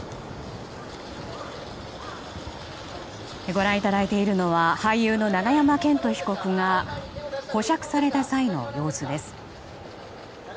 ご覧いただいているのは俳優の永山絢斗被告が保釈された際の様子です。